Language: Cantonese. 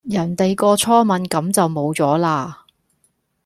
人哋個初吻咁就無咗啦